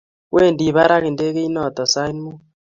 Wendi barak ndega notok sait mut